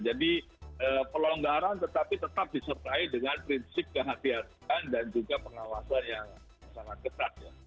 jadi pelonggaran tetapi tetap disertai dengan prinsip kehatian dan juga pengawasan yang sangat ketat